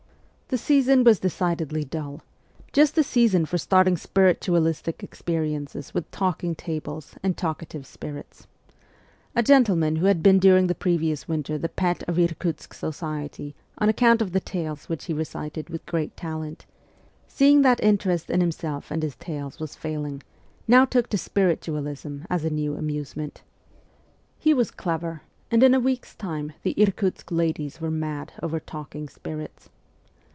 The season was decidedly dull just the season for starting spiritualistic experiences with talking tables and talka tive spirits. A gentleman who had been during the previous winter the pet of Irkutsk society on account of the tales which he recited with great talent, seeing that interest in himself and his tales was failing, now took to spiritualism as a new amusement. He was 256 MEMOIRS OF A REVOLUTIONIST clever, and in a week's time the Irkutsk ladies were mad over talking spirits.